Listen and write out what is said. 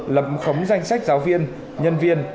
lập khống danh sách giáo viên nhân viên